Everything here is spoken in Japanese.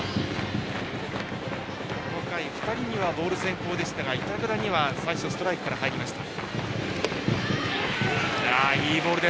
この回、２人にはボール先行でしたが板倉には最初ストライクから入りました。